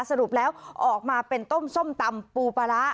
สรุปแล้วออกมาเป็นต้มส้มตำปูปลาร้า